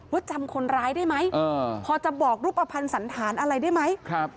จำคนร้ายได้ไหมพอจะบอกรูปภัณฑ์สันธารอะไรได้ไหม